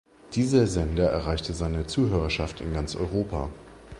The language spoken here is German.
Dieser Sender erreichte seine Zuhörerschaft in ganz Europa.